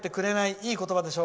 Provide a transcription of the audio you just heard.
いい言葉でしょ。